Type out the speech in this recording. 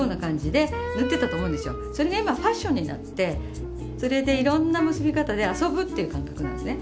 それが今ファッションになってそれでいろんな結び方で遊ぶっていう感覚なんですね。